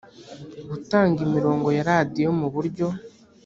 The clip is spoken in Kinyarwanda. gutanga imirongo ya radiyo mu buryo